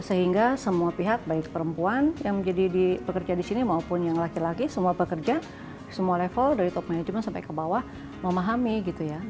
sehingga semua pihak baik perempuan yang menjadi pekerja di sini maupun yang laki laki semua pekerja semua level dari top manajemen sampai ke bawah memahami gitu ya